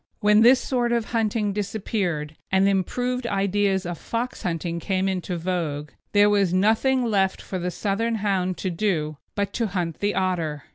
When this sort of hunting disappeared, and improved ideas of fox hunting came into vogue, there was nothing left for the Southern Hound to do but to hunt the otter.